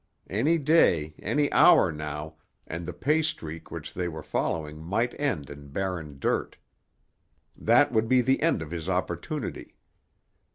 Any day, any hour now, and the pay streak which they were following might end in barren dirt. That would be the end of his opportunity.